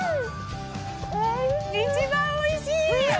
一番おいしい！